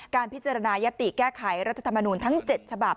การพิจารณายติแก้ไขรัฐธรรมนูลทั้ง๗ฉบับ